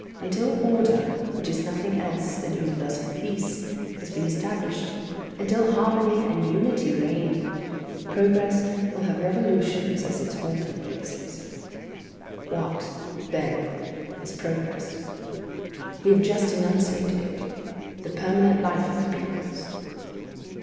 Until order, which is nothing else than universal peace, has been established, until harmony and unity reign, progress will have revolutions as its halting places. What, then, is progress? We have just enunciated it; the permanent life of the peoples.